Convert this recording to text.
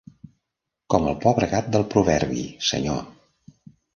Com el pobre gat del proverbi, senyor.